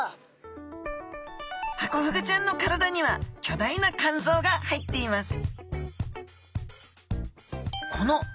ハコフグちゃんの体には巨大な肝臓が入っています